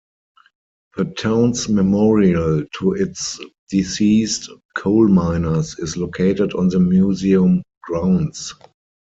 The town's memorial to its deceased coal miners is located on the museum grounds.